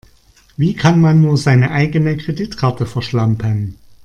Wie kann man nur seine eigene Kreditkarte verschlampen?